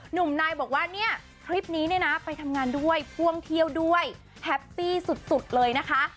หนุ่มนายบอกว่าเนี่ยคลิปนี้เนี่ยนะไปทำงานด้วยพ่วงเที่ยวด้วยแฮปปี้สุดเลยนะคะ